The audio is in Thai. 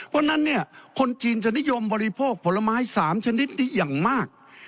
เพราะฉะนั้นเนี่ยคนจีนจะนิยมบริโภคผลไม้๓ชนิดนี้อย่างมาก